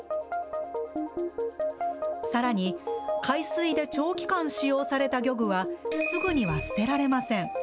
さらに、海水で長期間使用された漁具はすぐには捨てられません。